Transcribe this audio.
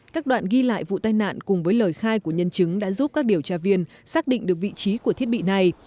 các đoạn ghi lại vụ tai nạn cùng với lời khai của nhân chứng đã giúp các điều tra viên xác định được vị trí của thiết bị này